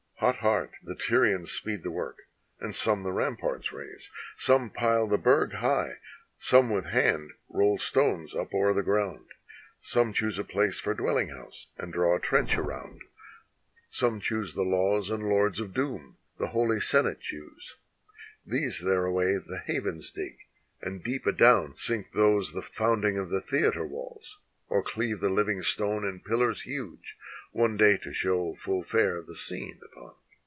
Hot heart the Tyrians speed the work, and some the ramparts raise. Some pile the burg high, some with hand roll stones up o'er the ground; Some choose a place for dwelling house and draw a trench around ; 268 .ENEAS AT CARTHAGE Some choose the laws and lords of doom, the holy sen ate choose. These thereaway the havens dig, and deep adown sink those The founding of the theater walls, or cleave the Uving stone In pillars huge, one day to show full fair the scene upon.